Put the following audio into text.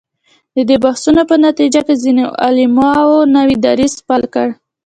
د دې بحثونو په نتیجه کې ځینو علماوو نوی دریځ خپل کړ.